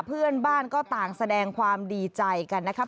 เพื่อนบ้านก็ต่างแสดงความดีใจกันนะครับ